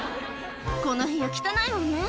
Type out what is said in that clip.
この部屋、汚いわね。